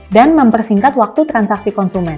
dan mempersingkat waktu transaksi konsumen